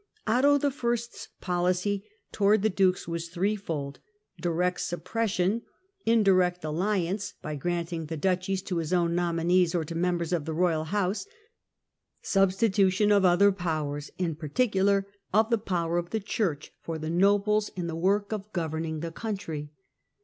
Otto I.'s policy towards the dukes was threefold : direct suppression ; IKi THE SAXON EMPERORS irect alliance, by granting the duchies to his own nominees or to members of the royal house ; substitution of other powers, in particular of the power of the Church, for the nobles in the work of governing the country.